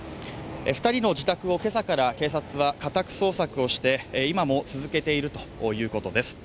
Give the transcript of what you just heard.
２人の自宅を今朝から警察は家宅捜索をして今も続けているということです。